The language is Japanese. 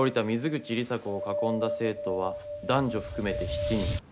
水口里紗子を囲んだ生徒は男女含めて７人。